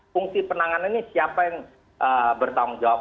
fungsi penanganan ini siapa yang bertanggung jawab